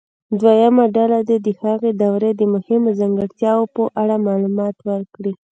دویمه ډله دې د هغې دورې د مهمو ځانګړتیاوو په اړه معلومات ورکړي.